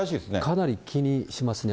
かなり気にしますね。